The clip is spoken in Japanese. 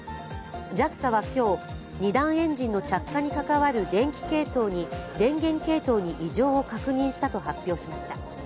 ＪＡＸＡは今日、２段エンジンの着火に関わる電気系統に異常を確認したと発表しました。